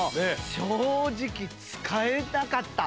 正直使えなかった。